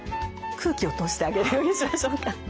空気を通してあげるようにしましょうか。